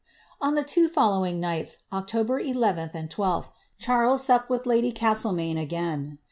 On the two follov ing nights, Octol)er 11th and 12th, Charles supped with lady CaBde maine again.